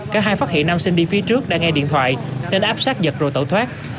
cả hai phát hiện nam sinh đi phía trước đã nghe điện thoại nên áp sát giật rồi tẩu thoát